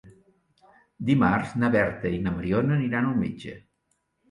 Dimarts na Berta i na Mariona aniran al metge.